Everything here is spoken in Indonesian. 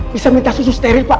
bisa minta susu steril pak